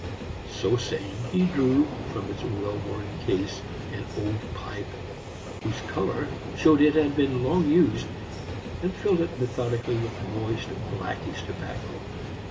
So saying, he drew from its well worn case an old pipe, whose color showed it had been long used, and filled it methodically with moist, blackish tobacco.